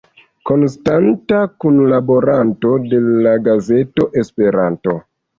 Konstanta kunlaboranto de la gazeto Esperanto.